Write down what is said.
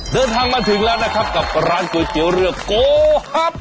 เดินทางมาถึงแล้วนะครับกับร้านก๋วยเตี๋ยวเรือโกฮับ